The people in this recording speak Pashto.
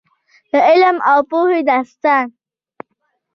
د علم او پوهې داستان.